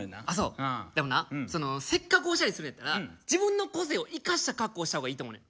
でもなせっかくおしゃれするんやったら自分の個性を生かした格好した方がいいと思うねん。